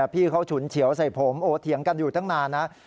พี่เขาฉุนเฉียวใส่ผมโอ้เถียงกันอยู่ตั้งนานนะ